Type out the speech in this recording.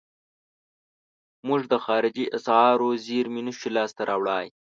موږ د خارجي اسعارو زیرمې نشو لاس ته راوړلای.